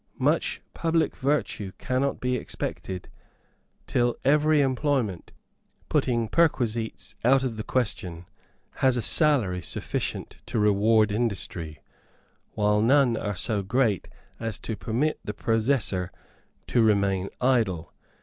Much public virtue cannot be expected till every employment, putting perquisites out of the question, has a salary sufficient to reward industry; whilst none are so great as to permit the possessor to remain idle.